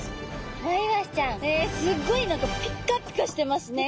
へえすっごい何かピッカピカしてますね。